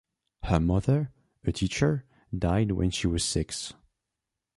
Her mother, a teacher, died when she was six.